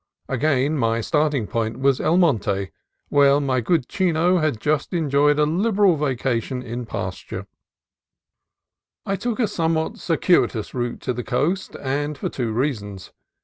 Again my starting point was El Monte, where my good Chino had just enjoyed a liberal vacation in pasture. SAN FERNANDO: ITS MISSION 55 I took a somewhat circuitous route to the coast, and for two reasons.